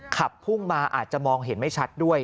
ขับพุ่งมาอาจจะมองเห็นไม่ชัดด้วย